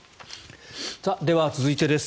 では、続いてです。